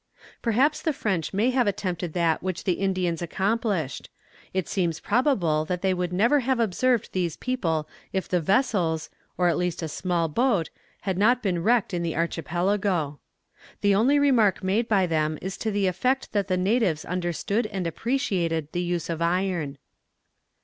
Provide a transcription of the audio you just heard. Perhaps the French may have attempted that which the Indians accomplished. It seems probable that they would never have observed these people if the vessels, or at least a small boat, had not been wrecked in the archipelago. The only remark made by them is to the effect that the natives understood and appreciated the use of iron.